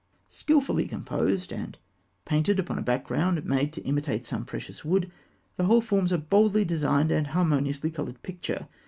Skilfully composed, and painted upon a background made to imitate some precious wood, the whole forms a boldly designed and harmoniously coloured picture.